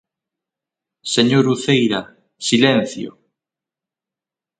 ¡Señor Uceira, silencio!